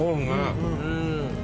うん。